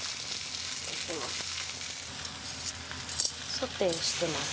ソテーしてます。